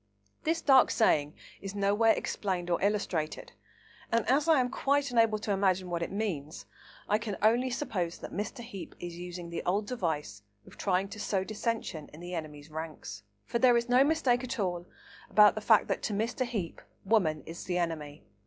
This dark saying is nowhere explained or illustrated, and as I am quite unable to imagine what it means, I can only suppose that Mr. Heape is using the old device of trying to sow dissension in the enemy's ranks. For there is no mistake at all about the fact that, to Mr. Heape, woman is the enemy.